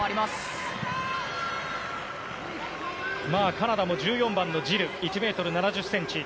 カナダ、１４番のジル１ｍ７０ｃｍ。